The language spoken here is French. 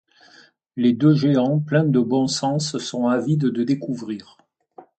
Les deux géants, pleins de bon sens, sont avides de découvrir.